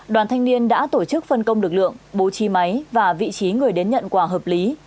đoàn thanh niên đã tổ chức phân công lực lượng bố trí máy và vị trí người đến nhận quà hợp lý